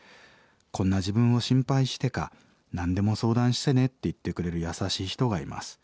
こんな自分を心配してか『何でも相談してね』って言ってくれる優しい人がいます。